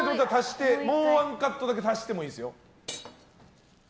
もうワンカットだけ足してもいいですよ。